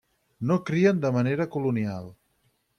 No crien de manera colonial.